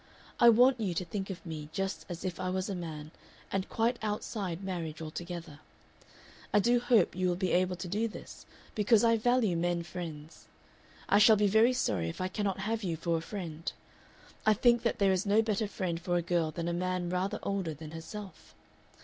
I want you to think of me just as if I was a man, and quite outside marriage altogether. "I do hope you will be able to do this, because I value men friends. I shall be very sorry if I cannot have you for a friend. I think that there is no better friend for a girl than a man rather older than herself.